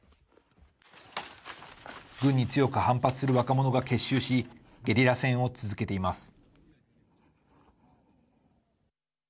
軍に強く反発する若者が結集しゲリラ戦を続けています。